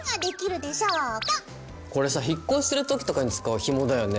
これさ引っ越しする時とかに使うひもだよね。